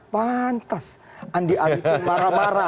pantas andi arief itu marah marah